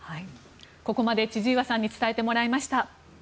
ここまで千々岩さんに伝えてもらいました。